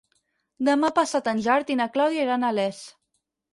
Demà passat en Gerard i na Clàudia iran a Les.